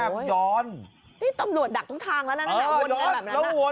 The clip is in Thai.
สวัสดีครับทุกคน